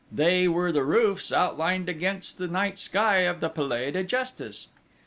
They were the roofs, outlined against the night sky, of the Palais de Justice.